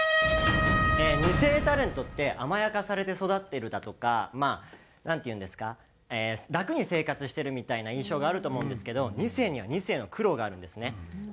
二世タレントって甘やかされて育ってるだとかまあなんていうんですか楽に生活してるみたいな印象があると思うんですけど二世には二世の苦労があるんですね。